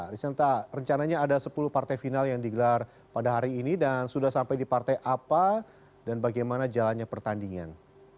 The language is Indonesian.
risanta rencananya ada sepuluh partai final yang digelar pada hari ini dan sudah sampai di partai apa dan bagaimana jalannya pertandingan